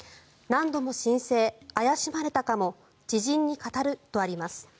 何度も申請、怪しまれたかも知人に語るとあります。